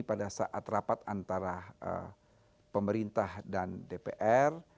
pada saat rapat antara pemerintah dan dpr